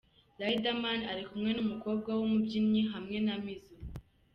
Riderman ari kumwe n’umukobwa w’umubyinnyi hamwe na M Izzo….